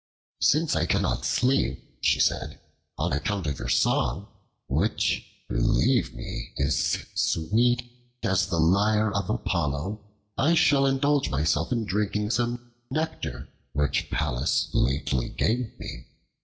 "Since I cannot sleep," she said, "on account of your song which, believe me, is sweet as the lyre of Apollo, I shall indulge myself in drinking some nectar which Pallas lately gave me.